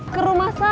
ke rumah saya